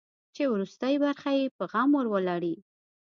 چې وروستۍ برخه یې په غم ور ولړي.